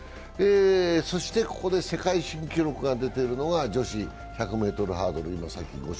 そしてここで世界新記録が出てるのが女子１００ｍハードル。